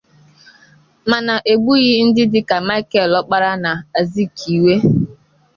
Mana egbughị ndị dịka Michael Ọkpara na Azịkiwe